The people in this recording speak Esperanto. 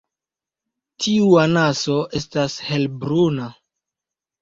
Tiu anaso estas helbruna.